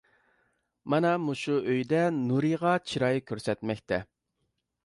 مانا مۇشۇ ئۆيدە نۇرىغا چىراي كۆرسەتمەكتە.